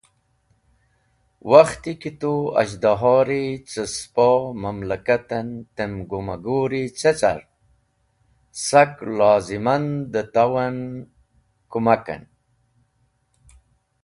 Wakhti ki tu az̃hdahori cẽ spo mamlakat en tem gumagur ce car, sak loziman dẽ taw en kumaken.